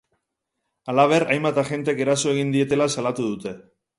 Halaber, hainbat agentek eraso egin dietela salatu dute.